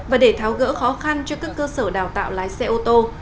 và để tháo gỡ khó khăn cho các cơ sở đào tạo lái xe ô tô